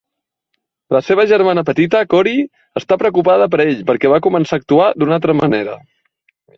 La seva germana petita, Corey, està preocupada per ell perquè va començar a actuar d'una altra manera.